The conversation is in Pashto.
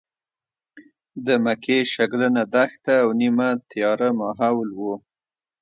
د مکې شګلنه دښته او نیمه تیاره ماحول و.